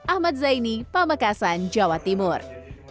ahmad zaini pamekasan jawa timur